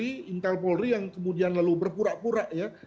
anggota polri intel polri yang kemudian lalu berpura pura ya